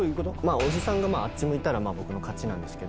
おじさんがあっち向いたら僕の勝ちです。